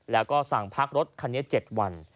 แล้วก็สั่งพักรถคันนี้๗วัน